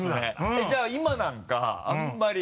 じゃあ今なんかあんまり？